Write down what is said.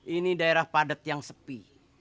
ini daerah padat yang sepi